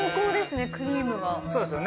そうですよね。